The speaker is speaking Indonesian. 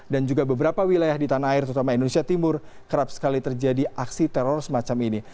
dan juga beberapa wilayah di tanah air terutama indonesia timur kerap sekali terjadi aksi teror semacam ini